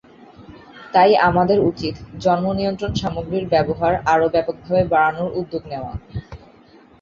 তাই আমাদের উচিত জন্মনিয়ন্ত্রণ সামগ্রীর ব্যবহার আরও ব্যাপকভাবে বাড়ানোর উদ্যোগ নেওয়া।